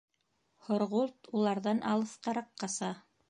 Һорғолт уларҙан алыҫҡараҡ ҡаса.